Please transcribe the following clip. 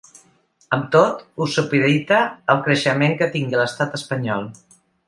Amb tot, ho supedita al creixement que tingui a l’estat espanyol.